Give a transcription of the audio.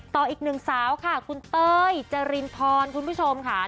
ต่ออีกหนึ่งสาวค่ะคุณเต้ยจรินพรคุณผู้ชมค่ะ